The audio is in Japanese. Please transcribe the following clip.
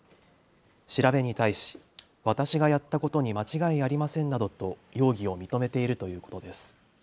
調べに対し、私がやったことに間違いありませんなどと容疑を認めているということです。